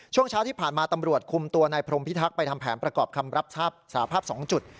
ช่วงเช้าที่ผ่านมาตำรวจคุมตัวนายพรมพิทักษ์ไปทำแผนประกอบคำรับสาภาพ๒จุด